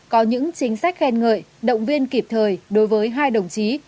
có những chính sách khen ngợi động viên kịp thời đối với hai đồng chí